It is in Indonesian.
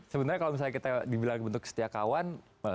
sebenarnya kalau misalnya kita dibilang bentuk kesetiakawan